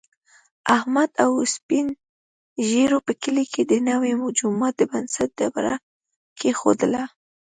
احمد او سپین ږېرو په کلي کې د نوي جوما د بنسټ ډبره کېښودله.